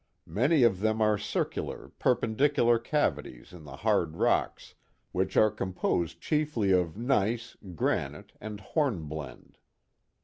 Many of them are circular, perpen dicular cavities in the hard rocks, which are composed chiefly of gneiss, granite, and horn blende.